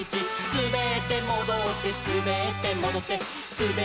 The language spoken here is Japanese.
「すべってもどってすべってもどって」